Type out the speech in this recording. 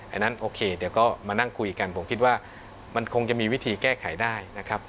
อันนั้นโอเคเดี๋ยวก็มานั่งคุยกันผมคิดว่ามันคงจะมีวิธีแก้ไขได้นะครับ